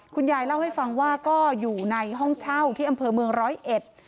คุณยายเล่าให้ฟังว่าก็อยู่ในห้องเช่าที่อำเภอเมืองร้อยเอ็ด